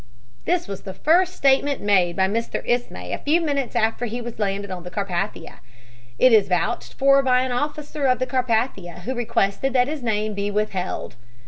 This was the first statement made by Mr. Ismay a few minutes after he was landed on the Carpathia. It is vouched for by an officer of the Carpathia who requested that his name be withheld.